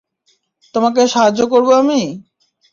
তোমাকে সাহায্য করবো আমি?